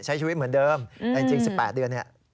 ใช้ชีวิตเหมือนเดิมแต่จริง๑๘เดือนเนี่ย